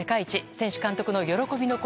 選手、監督の喜びの声